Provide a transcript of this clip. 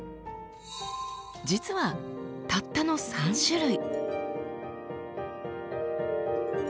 実はたったの３種類。